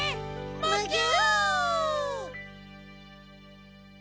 むぎゅ！